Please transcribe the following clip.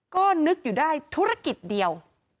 ก็นึกอยู่ได้ธุรกิจเดียว